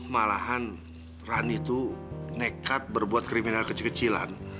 malahan rani itu nekat berbuat kriminal kecil kecilan